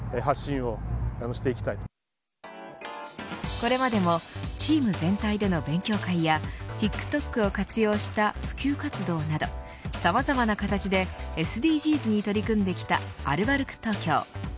これまでもチーム全体での勉強会やＴｉｋＴｏｋを活用した普及活動などさまざまな形でＳＤＧｓに取り組んできたアルバルク東京。